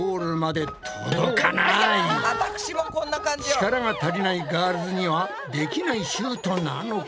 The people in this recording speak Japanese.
力が足りないガールズにはできないシュートなのか？